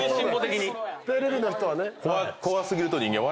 テレビの人はね。